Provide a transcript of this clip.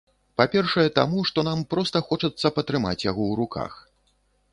Па-першае, таму, што нам проста хочацца патрымаць яго ў руках.